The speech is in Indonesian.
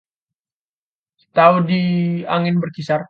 Tahu di angin berkisar